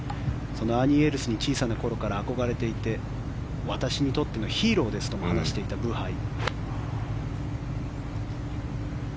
そのアーニー・エルスに小さい頃から憧れていて私にとってのヒーローですとも話していたブハイ。